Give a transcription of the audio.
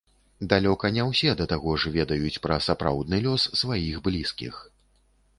Далёка не ўсе да таго ж ведаюць пра сапраўдны лёс сваіх блізкіх.